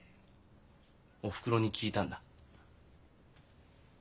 おふくろに聞いたんだ。